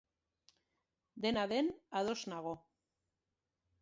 Dena den, ados nago.